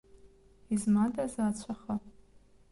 Измадаз ацәаха!